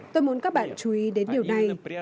tôi muốn các bạn chú ý đến điều này